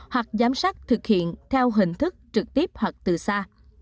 hoặc giám sát thực hiện theo hình thức trực tiếp hoặc từ xa